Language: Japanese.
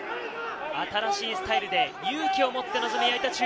新しいスタイルで勇気を持って臨む矢板